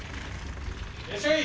いらっしゃい！